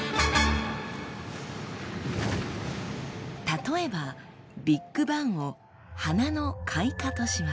例えばビッグバンを花の開花とします。